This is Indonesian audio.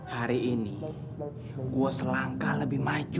hari ini gue selangkah lebih maju